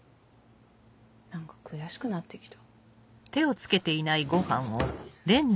何か悔しくなって来た。